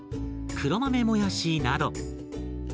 黒豆もやしなど。